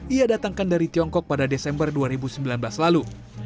ia datangkan dari tiongkok pada desember dua ribu sembilan belas lalu